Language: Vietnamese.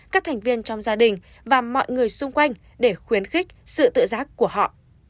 các thành viên trong gia đình và mọi người xung quanh để khuyến khích sự tự giác của họ